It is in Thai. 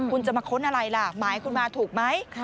คุณจะมาค้นอะไรล่ะหมายคุณมาถูกไหม